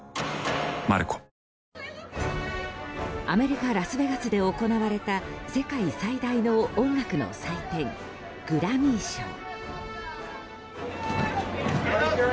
アメリカ・ラスベガスで行われた世界最大の音楽の祭典グラミー賞。